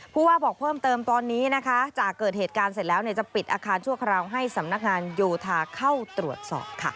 ผู้ว่าบอกเพิ่มเติมตอนนี้นะคะจากเกิดเหตุการณ์เสร็จแล้วจะปิดอาคารชั่วคราวให้สำนักงานโยธาเข้าตรวจสอบค่ะ